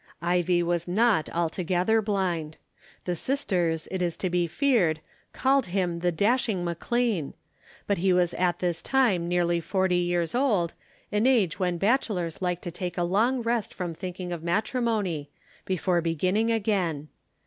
Ivie was not altogether blind. The sisters, it is to be feared, called him the dashing McLean, but he was at this time nearly forty years old, an age when bachelors like to take a long rest from thinking of matrimony, before beginning again.